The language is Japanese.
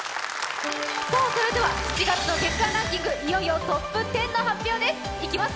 ７月の月間ランキング、いよいよトップ１０の発表です。